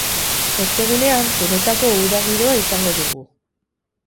Ostegunean, benetako udako giroa izango dugu.